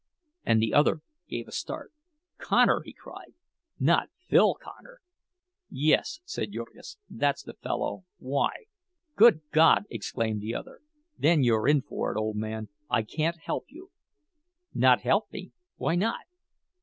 And the other gave a start. "Connor!" he cried. "Not Phil Connor!" "Yes," said Jurgis, "that's the fellow. Why?" "Good God!" exclaimed the other, "then you're in for it, old man! I can't help you!" "Not help me! Why not?"